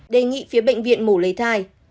đề nghị phía bệnh viện mổ lấy thai